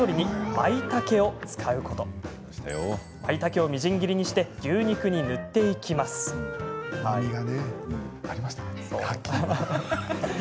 まいたけをみじん切りにして牛肉に塗っていきます。